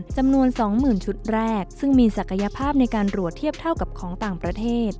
จำนวน๒๐๐๐ชุดแรกซึ่งมีศักยภาพในการรวดเทียบเท่ากับของต่างประเทศ